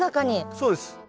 そうです。